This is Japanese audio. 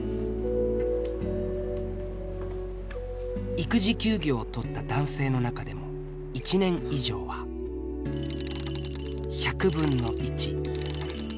育児休業をとった男性の中でも１年以上は１００分の１。